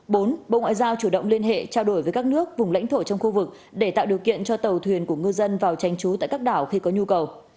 bốn bộ ngoại giao chủ động liên hệ trao đổi với các nước vùng lãnh thổ trong khu vực để tạo điều kiện cho tàu thuyền của ngư dân vào tranh trú tại các đảo khi có nhu cầu